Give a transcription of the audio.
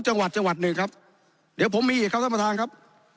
จังหวัดจังหวัดหนึ่งครับเดี๋ยวผมมีอีกครับท่านประธานครับ